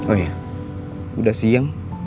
oh iya udah siang